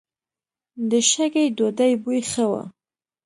د شګې ډوډۍ بوی ښه و.